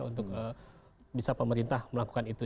untuk bisa pemerintah melakukan itu